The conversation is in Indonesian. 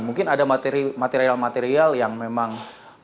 mungkin ada material material yang memang belum padam betul